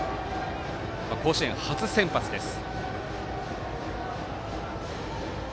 甲子園初先発です。